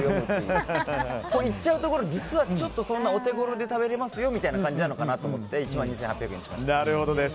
言っちゃうと実はちょっとお手ごろで食べられますよみたいな感じなのかと思って１万２８００円にしました。